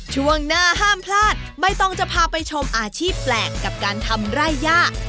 สร้างรายได้สร้างเงินทองได้มากมายขนาดนี้